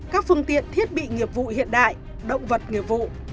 các phương tiện thiết bị nghiệp vụ hiện đại động vật nghiệp vụ